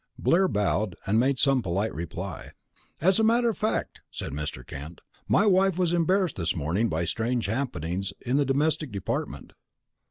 Blair bowed, and made some polite reply. "As a matter of fact," said Mr. Kent, "my wife was embarrassed this morning by strange happenings in the domestic department.